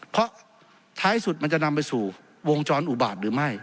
เพราะท้ายสุดมันจะนำไปสู่วงจรอุบาตหรือไม่